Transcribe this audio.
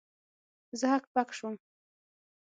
زه هک پک سوم.